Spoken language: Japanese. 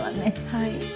はい。